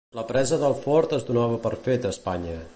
La presa del fort es donava per fet a Espanya.